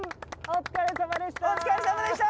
お疲れさまでした！